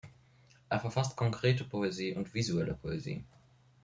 Er verfasst konkrete Poesie und visuelle Poesie.